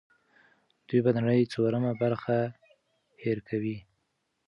دوی به د نړۍ څلورمه برخه هېر کوي.